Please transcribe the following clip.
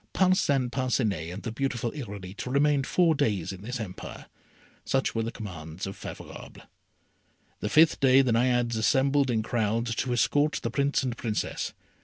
Parcin Parcinet and the beautiful Irolite remained four days in this empire. Such were the commands of Favourable. The fifth day the Naiades assembled in crowds to escort the Prince and Princess.